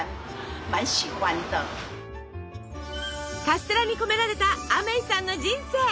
カステラに込められたアメイさんの人生。